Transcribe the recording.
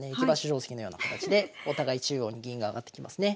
定跡のような形でお互い中央に銀が上がってきますね。